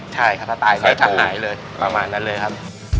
ใช่ครับถ้าตายก็จะหายเลยประมาณนั้นเลยครับ